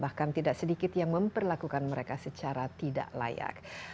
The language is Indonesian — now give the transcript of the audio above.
bahkan tidak sedikit yang memperlakukan mereka secara tidak layak